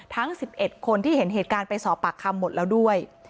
ทั้ง๑๑คนที่เห็นเหตุการณ์ไปสอบปากคำหมดแล้วด้วย